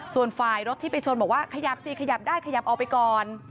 ส่วนฝ่ายรถที่ไปชนบอกว่าขยับสิขยับได้ขยับออกไปก่อน